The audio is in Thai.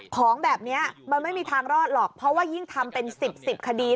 ของแบบนี้มันไม่มีทางรอดหรอกเพราะว่ายิ่งทำเป็น๑๐๑๐คดี